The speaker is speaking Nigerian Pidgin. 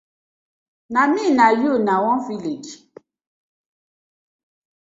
Na mi na yu na one village.